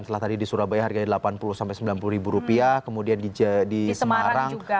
setelah tadi di surabaya harganya rp delapan puluh rp sembilan puluh kemudian di semarang juga